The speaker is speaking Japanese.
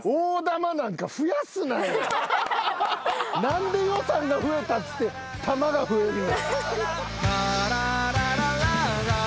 何で予算が増えたっつって玉が増える？